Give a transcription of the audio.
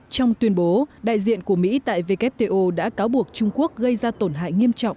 trong tuyên bố đại diện của mỹ tại wto đã cáo buộc trung quốc gây ra tổn hại nghiêm trọng